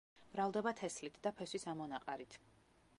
მრავლდება თესლით და ფესვის ამონაყარით.